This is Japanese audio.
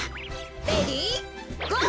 レディーゴー！